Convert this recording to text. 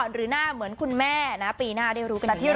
หรือหน้าเหมือนคุณแม่นะปีหน้าได้รู้กันอย่างนี้แน่นอน